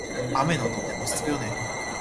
雨の音って落ち着くよね。